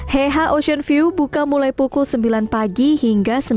heha ocean view buka mulai pukul sembilan pagi hingga sembilan malam